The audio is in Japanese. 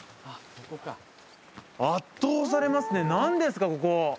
圧倒されますね何ですか？